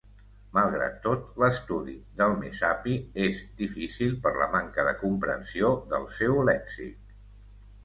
Malgrat tot, l'estudi del messapi és difícil per la manca de comprensió del seu lèxic.